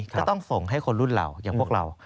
ก็ต้องส่งให้คนรุ่นเราอย่างพวกเรา